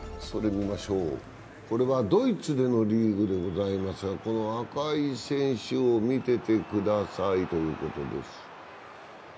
これはドイツでのリーグでございますが、この赤い選手を見ててくださいということです。